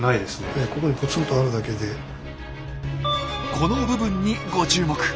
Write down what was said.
この部分にご注目。